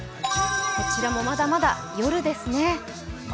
こちらも、まだまだ夜ですね。